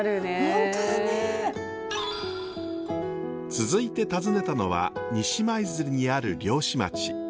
続いて訪ねたのは西舞鶴にある漁師町。